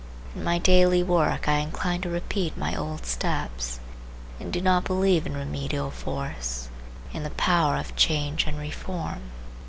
In my daily work I incline to repeat my old steps, and do not believe in remedial force, in the power of change and reform.